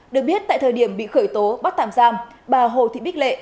được biết tại thời điểm bị khởi tố bắt tạm giam bà hồ thị bích lệ